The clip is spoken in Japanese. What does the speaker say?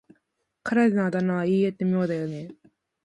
彼のあだ名は言い得て妙だよね。